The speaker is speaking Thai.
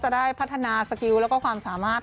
จะได้พัฒนาสกิลแล้วก็ความสามารถ